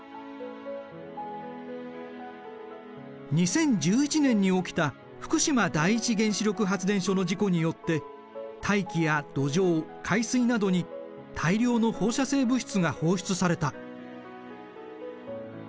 ２０１１年に起きた福島第一原子力発電所の事故によって大気や土壌海水などに大量の放射性物質が放出された。